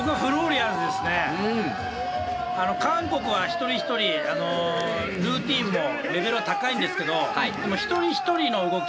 あの韓国は一人一人ルーティーンもレベルは高いんですけどでも一人一人の動き